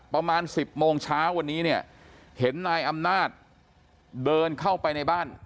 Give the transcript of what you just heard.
ประมาณ๑๐โมงเช้าวันนี้เนี่ยเห็นนายอำนาจเดินเข้าไปในบ้าน